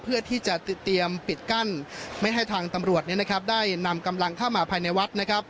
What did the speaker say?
เพื่อที่จะเตรียมปิดกั้นไม่ให้ทางตำรวจได้นำกำลังเข้ามาภายในวัดนะครับ